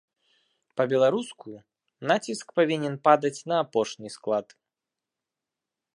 Па-беларуску націск павінен падаць на апошні склад.